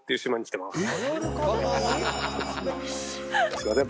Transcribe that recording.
すみません。